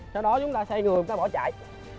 sau đó chúng ta xây người và bỏ chạy